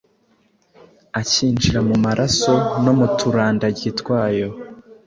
akinjira mu maraso no mu turandaryi twayo